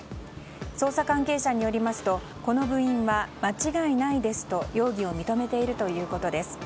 捜査関係者によりますとこの部員は間違いないですと容疑を認めているということです。